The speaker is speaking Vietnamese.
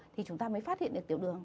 thì chúng ta mới phát hiện được tiểu đường